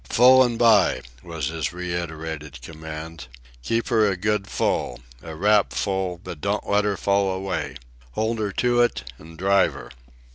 "Full and by," was his reiterated command. "Keep her a good full—a rap full; but don't let her fall away. Hold her to it, and drive her."